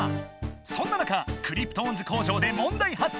そんな中クリプトオンズ工場でもんだい発生！